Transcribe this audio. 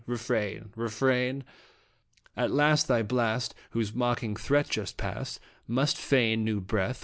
Refrain ! Refrain ! At last thy blast, whose mocking threat just passed, Must feign new breath.